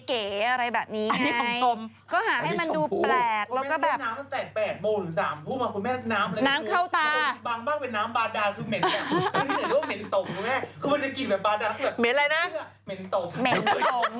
เขาก็จะกลิ่นแบบบาร์ดอัฟแบบเม็ดอะไรนะเม็นตม